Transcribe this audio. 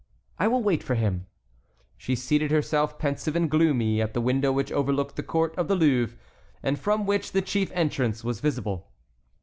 I will wait for him." She seated herself, pensive and gloomy, at the window which overlooked the court of the Louvre, and from which the chief entrance was visible.